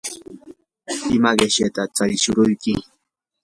¿ima qishyataq charishuruyki?